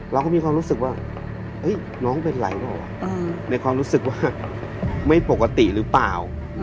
เราก็มีความรู้สึกว่า